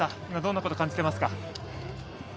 今、どんなこと感じていますか？